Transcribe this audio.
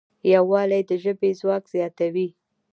یووالی د ژبې ځواک زیاتوي.